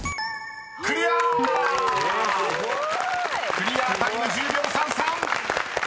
［クリアタイム１０秒３３］